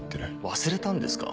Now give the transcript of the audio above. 忘れたんですか？